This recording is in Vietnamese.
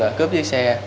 và cướp chiếc xe